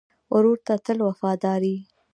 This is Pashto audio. ورور ته تل وفادار یې.